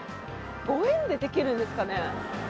５円でできるんですかね？